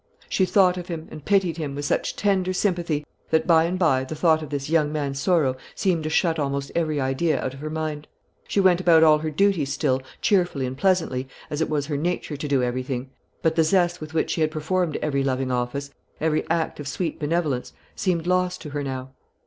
She thought of him, and pitied him, with such tender sympathy, that by and by the thought of this young man's sorrow seemed to shut almost every idea out of her mind. She went about all her duties still, cheerfully and pleasantly, as it was her nature to do everything; but the zest with which she had performed every loving office every act of sweet benevolence, seemed lost to her now.